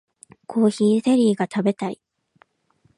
コーヒーゼリーが食べたい